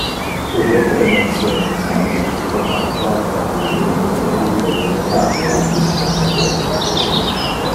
Su vetere Mercedes ha essite compactate a un micre cubo de metallo al discargatorio.